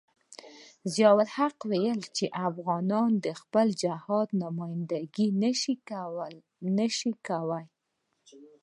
ضیاء الحق ویل چې افغانان د خپل جهاد نمايندګي نشي کولای.